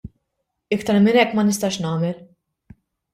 Iktar minn hekk ma nistax nagħmel.